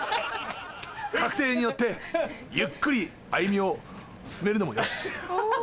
各停に乗ってゆっくり歩みを進めるのもよし。